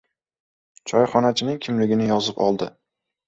Choyxonachining kimligini yozib oldi.